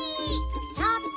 ちょっと！